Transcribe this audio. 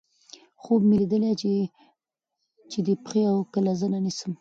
خوب مې ليدلے چې دې پښې اؤ کله زنه نيسم